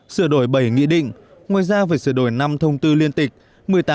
sửa đổi bảy nghị định ngoài ra phải sửa đổi năm thông tư liên tịch